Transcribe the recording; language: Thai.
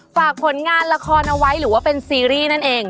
ฝากผลงานละครเอาไว้หรือว่าเป็นซีรีส์นั่นเอง